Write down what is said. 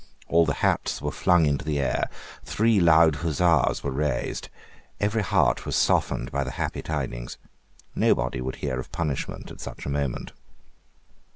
All the hats were flung into the air. Three loud huzzas were raised. Every heart was softened by the happy tidings. Nobody would hear of punishment at such a moment.